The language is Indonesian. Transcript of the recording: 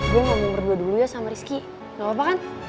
gue ngomong nomor dua dulu ya sama rizky gak apa apa kan